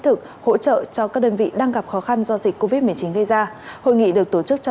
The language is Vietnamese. thực hỗ trợ cho các đơn vị đang gặp khó khăn do dịch covid một mươi chín gây ra hội nghị được tổ chức cho